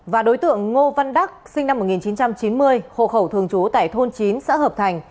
và đối tượng ngô văn đắc sinh năm một nghìn chín trăm chín mươi hộ khẩu thường trú tại thôn chín xã hợp thành